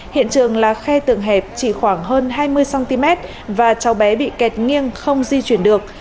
hiện trường là khe tường hẹp chỉ khoảng hơn hai mươi cm và cháu bé bị kẹt nghiêng không di chuyển được